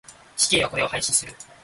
死刑はこれを廃止する。